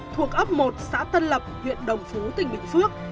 thuộc ấp một xã tân lập huyện đồng phú tỉnh bình phước